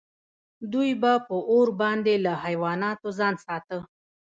دوی به په اور باندې له حیواناتو ځان ساته.